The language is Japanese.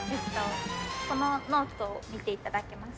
このノートを見ていただけますか。